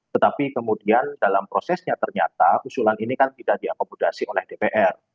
tetapi kemudian dalam prosesnya ternyata usulan ini kan tidak diakomodasi oleh dpr